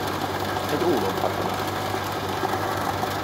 Egy ólomkatona!